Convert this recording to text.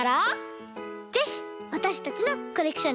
ぜひわたしたちのコレクションにさせてね！